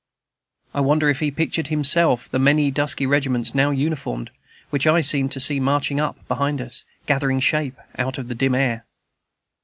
I wonder if he pictured to himself the many dusky regiments, now unformed, which I seemed to see marching up behind us, gathering shape out of the dim air.